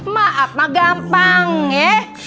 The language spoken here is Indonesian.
maaf mah gampang ya